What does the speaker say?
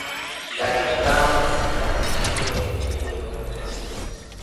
kidato cha tano na sita katika shule ya upili ya Loyola Dar es Salaam